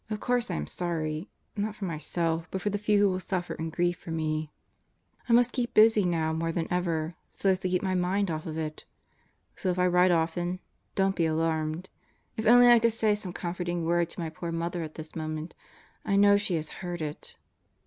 Of course I am sorry not for myself, but for the few who will suffer and grieve for me. I must keep busy now more than ever, so as to keep my mind off of it. So if I write often, don't be alarmed. If only I could say some comforting word to my poor mother at this moment. I know she has heard it.